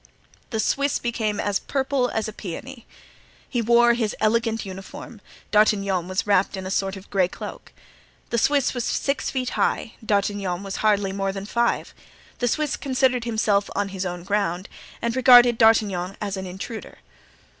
The Swiss became as purple as a peony. He wore his elegant uniform, D'Artagnan was wrapped in a sort of gray cloak; the Swiss was six feet high, D'Artagnan was hardly more than five; the Swiss considered himself on his own ground and regarded D'Artagnan as an intruder.